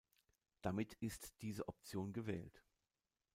Damit ist diese Option gewählt.